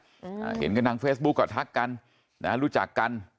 อ่าเห็นกันทางเฟซบุ๊กก็ทักกันนะฮะรู้จักกัน